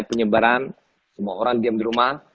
penyebaran semua orang diam di rumah